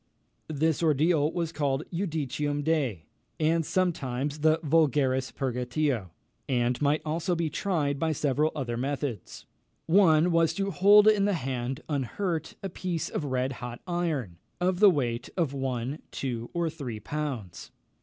This ordeal was called the Judicium Dei, and sometimes the Vulgaris Purgatio, and might also be tried by several other methods. One was to hold in the hand, unhurt, a piece of red hot iron, of the weight of one, two, or three pounds.